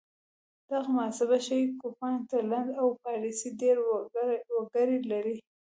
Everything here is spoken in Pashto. دغه محاسبه ښيي کوپان تر لندن او پاریس ډېر وګړي لرل